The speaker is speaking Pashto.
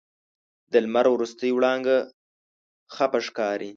د لمر وروستۍ وړانګه خفه ښکاري